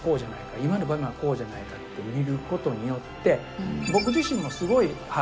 「今の場面はこうじゃないか」って見ることによってあれ？